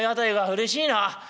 うれしいな。